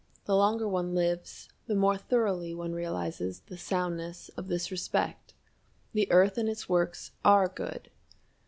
The longer one lives, the more thoroughly one realizes the soundness of this respect. The earth and its works are good.